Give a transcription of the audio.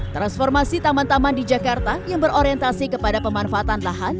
transformasi taman taman di jakarta yang berorientasi kepada pemanfaatan lahan